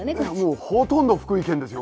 もうほとんど福井県ですよ